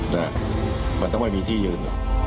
นะมันต้องมีที่ยืน